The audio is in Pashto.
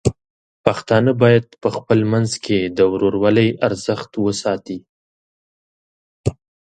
پښتانه بايد په خپل منځ کې د ورورولۍ ارزښت وساتي.